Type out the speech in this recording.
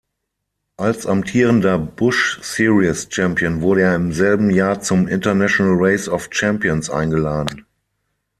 Als amtierender Busch-Series-Champion wurde er im selben Jahr zum International Race of Champions eingeladen.